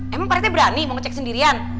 emang pak rete berani mau ngecek sendirian